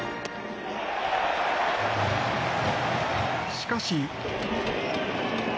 しかし。